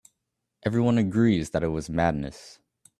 Everyone agrees that it was madness.